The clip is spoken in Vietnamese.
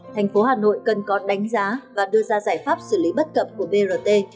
thành phố hà nội cần có đánh giá và đưa ra giải pháp xử lý bất cập của brt